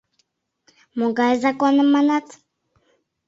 — Могай законым манат?